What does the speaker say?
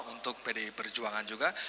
untuk pdi perjuangan juga